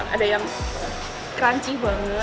ada yang crunchy banget